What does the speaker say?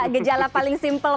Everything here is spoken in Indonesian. gejala paling simple